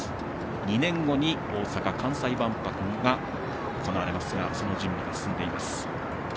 ２年後に大阪・関西万博が行われますがその準備が進んでいます。